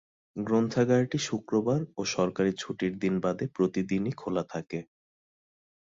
গ্রন্থাগারটি শুক্রবার ও সরকারি ছুটির দিন বাদে প্রতিদিনই খোলা থাকে।